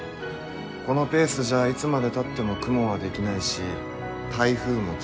このペースじゃいつまでたっても雲は出来ないし台風も来ませんよ？